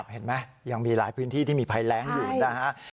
เห็นไหมยังมีหลายพื้นที่ที่มีภัยแรงอยู่นะฮะ